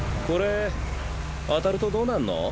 これ当たるとどうなんの？